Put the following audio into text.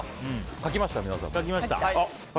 書きました。